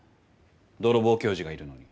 泥棒教授がいるのに。